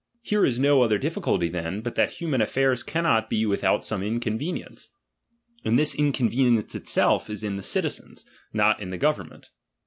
Here is no other difficulty "len, but that human alfaij s cannot be without some inconve iiiencG. And this inconvenience itself is in the citizens, not in llie government.